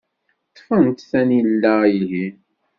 Ṭṭfent tanila-ihin.